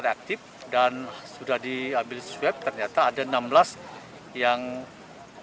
kemarin yang diambil swab yang diambil swab yang diambil swab yang diambil swab yang diambil